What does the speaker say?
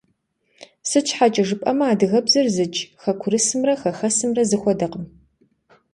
Сыт щхьэкӀэ жыпӀэмэ, адыгэбзэр зыдж хэкурысымрэ хэхэсымрэ зэхуэдэкъым.